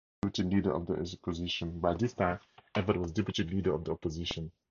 By this time, Evatt was deputy leader of the opposition.